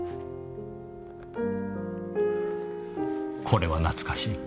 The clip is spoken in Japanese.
これは懐かしい。